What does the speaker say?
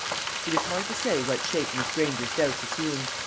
It is hard to say what shape Miss Granger's doubts assumed.